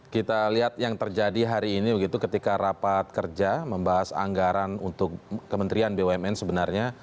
kita lihat yang terjadi hari ini begitu ketika rapat kerja membahas anggaran untuk kementerian bumn sebenarnya